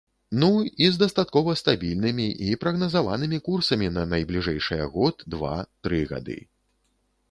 Ну, і з дастаткова стабільнымі і прагназаванымі курсамі на найбліжэйшыя год, два, тры гады.